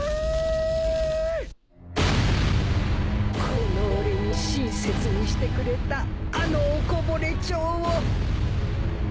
この俺に親切にしてくれたあのおこぼれ町を。